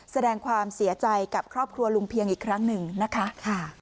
แสดงความเสียใจกับครอบครัวลุงเพียงอีกครั้งหนึ่งนะคะ